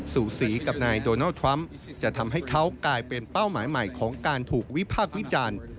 สูสีกับนายโดนัลด์ทรัมป์จะทำให้เขากลายเป็นเป้าหมายใหม่ของการถูกวิพากษ์วิจารณ์